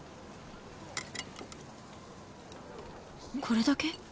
これだけ？